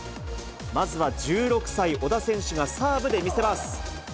まずは１６歳、小田選手がサーブで見せます。